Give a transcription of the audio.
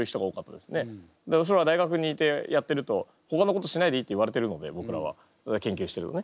でもそれは大学にいてやってると「ほかのことしないでいい」って言われてるのでぼくらは。研究してるとね。